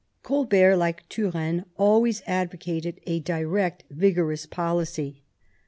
Colbert, like Turenne, always advocated a direct, vigorous policy.